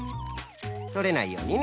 とれないようにね。